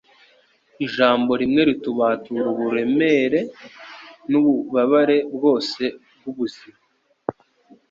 Ijambo rimwe ritubatura uburemere n'ububabare bwose bw'ubuzima